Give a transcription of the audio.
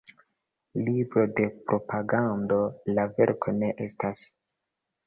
Libro de propagando la verko ne estas.